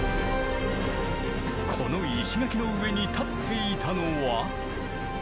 この石垣の上に建っていたのは。